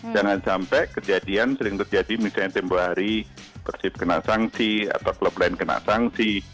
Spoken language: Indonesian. jangan sampai kejadian sering terjadi misalnya tempoh hari persib kena sanksi atau klub lain kena sanksi